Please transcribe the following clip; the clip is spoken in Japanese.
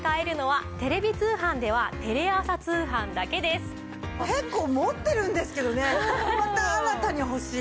すごい！結構持ってるんですけどねまた新たに欲しい。